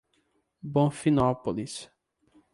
Bonfinópolis